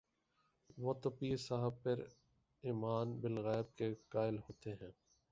وہ تو پیر صاحب پر ایمان بالغیب کے قائل ہوتے ہیں۔